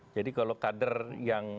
jadi kalau kader yang